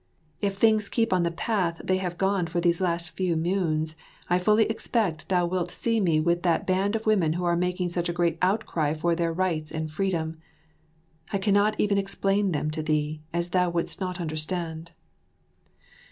If things keep on the path they have gone for these last few moons, I fully expect thou wilt see me with that band of women who are making such a great outcry for their rights and freedom. I cannot even explain them to thee, as thou wouldst not understand.